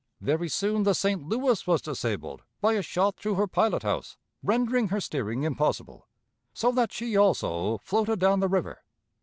Very soon the St. Louis was disabled by a shot through her pilot house, rendering her steering impossible, so that she also floated down the river.